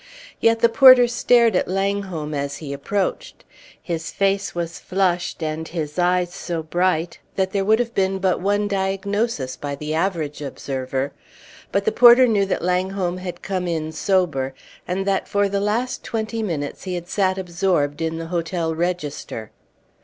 Yet the porter stared at Langholm as he approached. His face was flushed, and his eyes so bright that there would have been but one diagnosis by the average observer. But the porter knew that Langholm had come in sober, and that for the last twenty minutes he had sat absorbed in the hotel register.